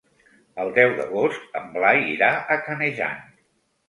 El deu d'agost en Blai irà a Canejan.